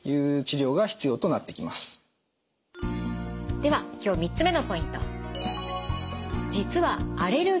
では今日３つ目のポイント。